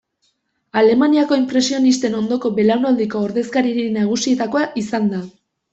Alemaniako inpresionisten ondoko belaunaldiko ordezkaririk nagusietakoa izan da.